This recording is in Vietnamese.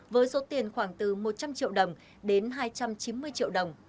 với số tiền khoảng từ một trăm linh triệu đồng đến hai trăm chín mươi triệu đồng